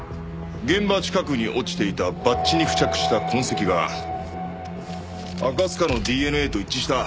現場近くに落ちていたバッジに付着した痕跡が赤塚のＤＮＡと一致した。